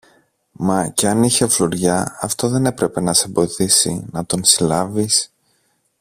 Μα και αν είχε φλουριά, αυτό δεν έπρεπε να σ' εμποδίσει να τον συλλάβεις.